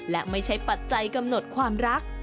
และไม่ใช่ปัจจัยกำหนดความรัก